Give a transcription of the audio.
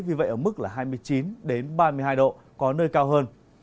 vì vậy ở mức là hai mươi chín ba mươi hai độ có nơi cao hơn